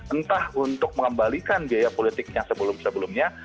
entah untuk mengembalikan biaya politik yang sebelum sebelumnya